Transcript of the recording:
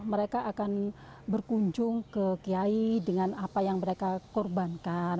mereka akan berkunjung ke kiai dengan apa yang mereka korbankan